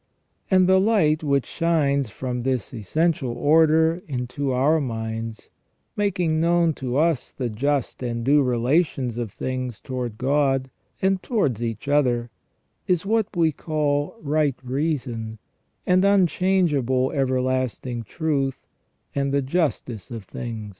And the light which shines from this essential order into our minds, making known to us the just and due relations of things toward God, and towards each other, is what we call right reason, and unchangeable ever lasting truth, and the justice of things.